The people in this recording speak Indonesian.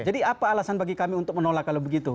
jadi apa alasan bagi kami untuk menolak kalau begitu